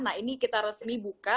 nah ini kita resmi buka